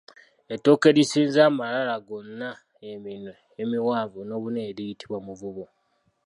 Ettooke erisinza amalala gonna eminwe emiwanvu n'obunene liitibwa Muvubo.